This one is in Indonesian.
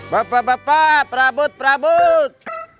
bapak bapak perabot perabot